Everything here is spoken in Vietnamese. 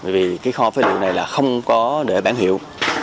vì cái kho phế liệu này là không có đệ bản hiệu